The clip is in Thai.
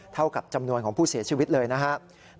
เท่ากับจำนวนของผู้เสียชีวิตเลยนะครับ